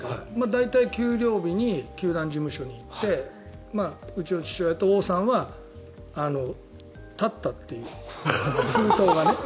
大体、給料日に球団事務所に行ってうちの父親と王さんは立ったという、封筒がね。